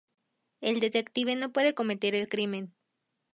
El detective no puede cometer el crimen.